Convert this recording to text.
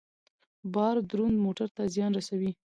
بار دروند موټر ته زیان رسوي.